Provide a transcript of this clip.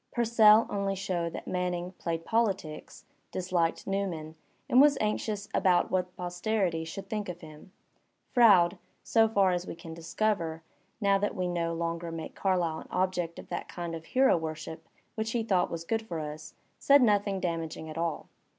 Pureell only showed that Manning played politics^ disliked Newman, and was anxious about what posterity should think of him. Froude, so far as we can discover, now that we no longer make Carlyle an object of that kind of hero worship which he thought was good for us, said nothing damaging at all.